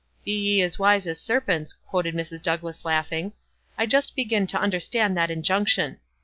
"Bo ye as wise as serpents,'" quoted Mrs. Douglass, laughing. "I just begin to under stand that injunction.